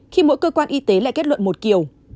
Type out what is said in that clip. khi mỗi cơ quan y tế lại kết luận một kiểu